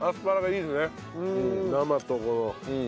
生とこの。